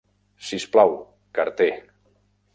Si us plau, carter.